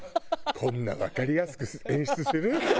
こんなわかりやすく演出する？